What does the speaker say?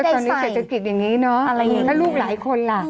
แล้วตอนนี้เกษตรกิจอย่างนี้เนอะถ้าลูกหลายคนล่ะ